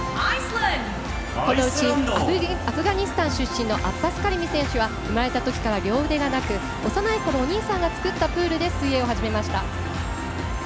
このうち、アフガニスタン出身のアッバス・カリミ選手は生まれたときから両腕がなく幼いころ、お兄さんが作ったプールで水泳を始めました。